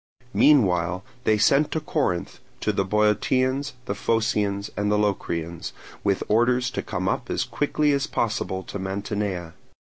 Meanwhile they sent to Corinth, to the Boeotians, the Phocians, and Locrians, with orders to come up as quickly as possible to Mantinea.